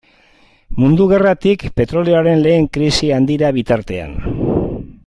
Mundu Gerratik petrolioaren lehen krisi handira bitartean.